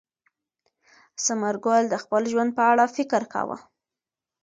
ثمر ګل د خپل ژوند په اړه فکر کاوه.